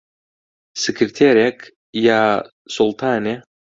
سکرتێرێک... یا سوڵتانێ